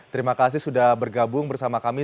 terima kasih sudah bergabung bersama kami